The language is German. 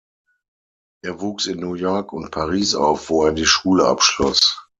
Er wuchs in New York und Paris auf, wo er die Schule abschloss.